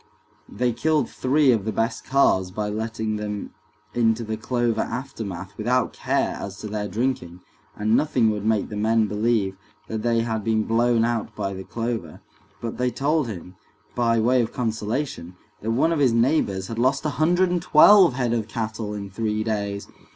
They killed three of the best calves by letting them into the clover aftermath without care as to their drinking, and nothing would make the men believe that they had been blown out by the clover, but they told him, by way of consolation, that one of his neighbors had lost a hundred and twelve head of cattle in three days.